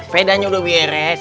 pedanya udah beres